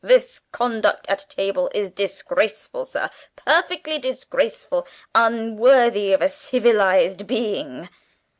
"This conduct at table is disgraceful, sir perfectly disgraceful unworthy of a civilised being.